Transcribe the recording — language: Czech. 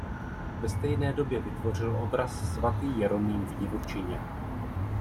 Ve stejné době vytvořil obraz "Svatý Jeroným v divočině".